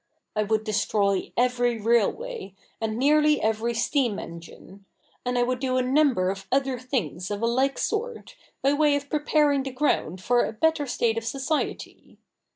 I would destroy every railway, and nearly every steam engine ; and 1 would do a number of other things of a like sort, by way of preparing the ground for a better state of society.